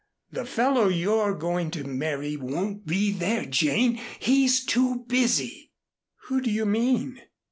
The fellow you're going to marry won't be there, Jane. He's too busy." "Who do you mean?"